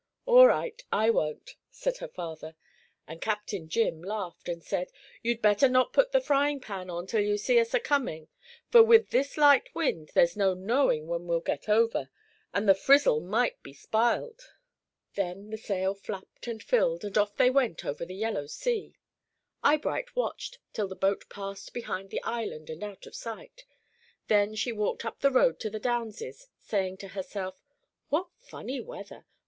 "All right I won't," said her father; and Captain Jim laughed and said: "You'd better not put the frying pan on till you see us a coming, for with this light wind there's no knowing when we'll get over, and the frizzle might be sp'iled." Then the sail flapped and filled, and off they went over the yellow sea. Eyebright watched till the boat passed behind the island, and out of sight; then she walked up the road to the Downs's, saying to herself, "What funny weather!